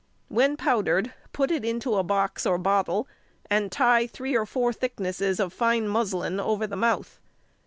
When powdered put it into a box or bottle, and tie three or four thicknesses of fine muslin over the mouth.